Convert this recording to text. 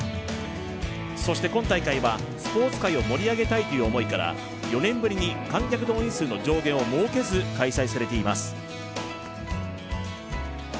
そして、今大会はスポーツ界を盛り上げたいという思いから４年ぶりに観客動員数の上限を設けず開催されています。